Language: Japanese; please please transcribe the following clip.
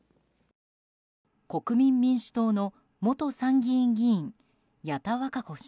国民民主党の元参議院議員、矢田稚子氏。